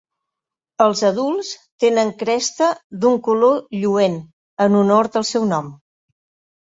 Els adults tenen cresta d'un color lluent, en honor al seu nom.